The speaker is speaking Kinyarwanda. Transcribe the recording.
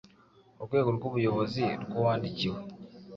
Urwego rw’ubuyobozi rw’uwandikiwe: